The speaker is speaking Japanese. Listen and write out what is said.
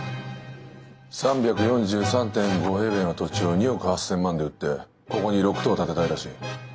３４３．５平米の土地を２億８，０００万で売ってここに６棟建てたいらしい。